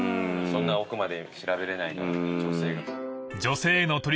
そんな奥まで調べれない女性を。